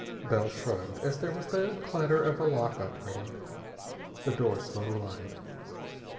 Bell shrugged as there was the clatter of a lock operating. The door swung wide.